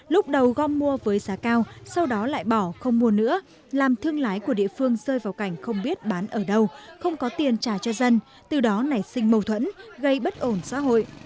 lúc đầu gom mua với giá cao sau đó lại bỏ không mua nữa làm thương lái của địa phương rơi vào cảnh không biết bán ở đâu không có tiền trả cho dân từ đó nảy sinh mâu thuẫn gây bất ổn xã hội